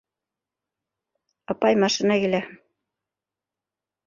- Апай, машина килә.